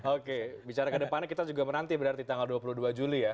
oke bicara kedepannya kita juga menanti berarti tanggal dua puluh dua juli ya